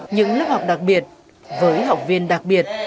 những lớp học đặc biệt với học viên đặc biệt